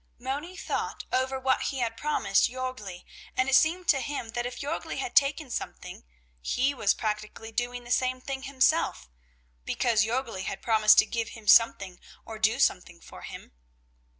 Moni thought over what he had promised Jörgli, and it seemed to him that if Jörgli had taken something, he was practically doing the same thing himself, because Jörgli had promised to give him something or do something for him.